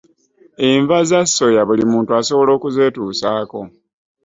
Enva za soya buli muntu asobola okuzeetuusaako.